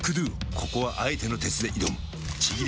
ここはあえての鉄で挑むちぎり